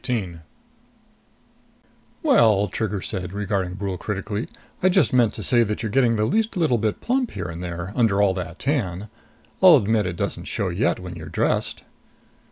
18 "Well," Trigger said, regarding Brule critically, "I just meant to say that you're getting the least little bit plump here and there, under all that tan. I'll admit it doesn't show yet when you're dressed."